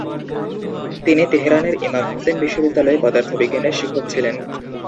তিনি তেহরানের Imam Hussein বিশ্ববিদ্যালয়ে পদার্থবিজ্ঞানের শিক্ষক ছিলেন।